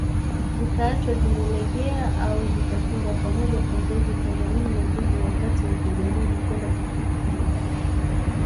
zikaachwa zimelegea au zikafungwa pamoja kwa ngozi Themanini na mbili Wakati wapiganaji kwenda kupitia